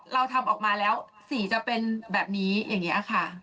เราทำออกมาแล้วสีจะเป็นแบบนี้อย่างนี้ค่ะ